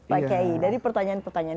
pak kiai dari pertanyaan pertanyaan